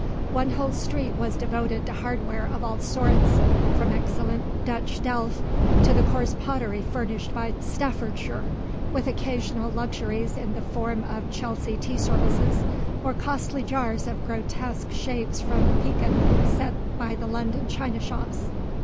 One whole street was devoted to hardware of all sorts, from excellent Dutch delf to the coarse pottery furnished by Staffordshire, with occasional luxuries in the form of Chelsea tea services, or costly jars of grotesque shapes from Pekin, sent by the London china shops.